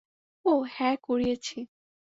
ওহ, হ্যাঁ, করিয়েছি।